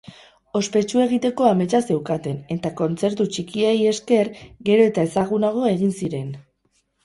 Ospetsu egiteko ametsa zeukaten eta kontzertu txikiei esker gero eta ezagunago egin ziren.